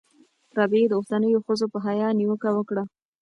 رابعې د اوسنیو ښځو په حیا نیوکه وکړه.